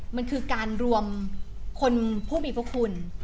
มันคือการรวมคนผู้มีพระคุณ